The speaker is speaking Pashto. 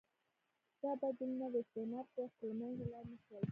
دا بدلونونه د استعمار په وخت کې له منځه لاړ نه شول.